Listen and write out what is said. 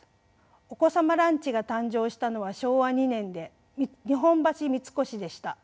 お子様ランチが誕生したのは昭和２年で日本橋三越でした。